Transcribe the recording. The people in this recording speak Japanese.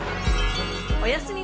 おやすみ